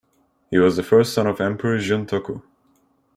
He was the first son of Emperor Juntoku.